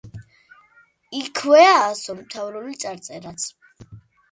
იქვეა ასომთავრული წარწერაც.